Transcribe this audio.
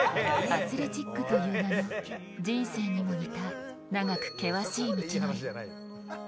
アスレチックという名の人生にも似た長く険しい道のり。